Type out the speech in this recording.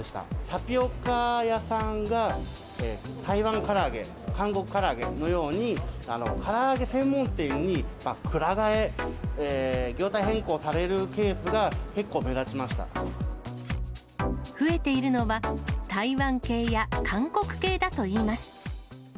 タピオカ屋さんが台湾から揚げ、韓国から揚げのように、から揚げ専門店にくら替え、業態変更され増えているのは、台湾系や韓国系だといいます。